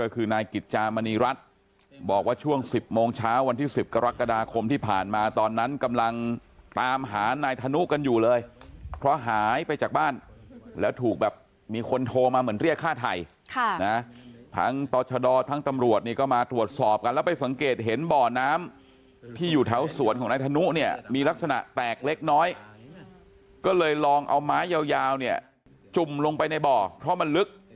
เขาบอกแบบนั้นนะรู้เห็นแล้วก็รออยู่ที่บ้าน